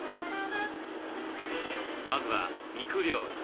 まずは肉料理。